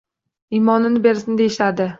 Iymonini bersin, deyishadi